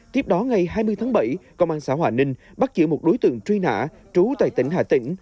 tiếp đó ngày hai mươi tháng bảy công an xã hòa ninh bắt giữ một đối tượng truy nã trú tại tỉnh hà tĩnh